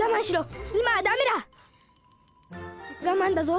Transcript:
がまんだぞ。